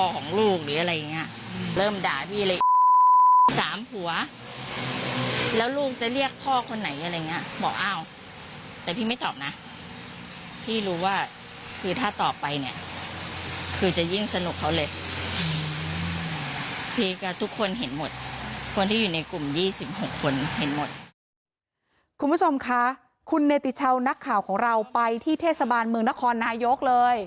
คุณผู้ชมคะคุณเนติชาวนักข่าวของเราไปที่เทศบาลเมืองนครนายกเลย